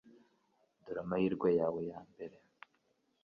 Dore Amahirwe yawe ya mbere